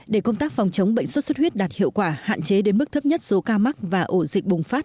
để công tác phòng chống bệnh sốt xuất huyết đạt hiệu quả hạn chế đến mức thấp nhất số ca mắc và ổ dịch bùng phát